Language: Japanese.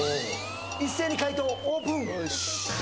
一斉に解答オープン